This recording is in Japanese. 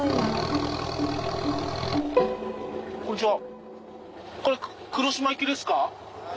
こんにちは。